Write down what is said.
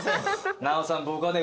奈緒さん僕はね